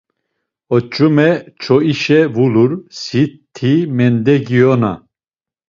Oç̌ume çoişe vulur, siti mendegiyona.